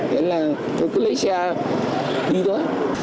thế là tôi cứ lấy xe đi thôi